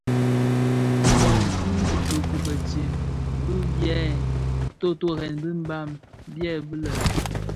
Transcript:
Kiboň ki bitoki bitsem bi byè totorèn bi Mbam byèbi lè: